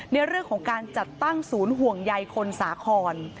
ในเรื่องของการจัดตั้งศูนย์ห่วงใยคนสาคร